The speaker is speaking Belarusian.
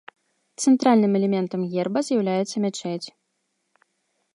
Цэнтральным элементам герба з'яўляецца мячэць.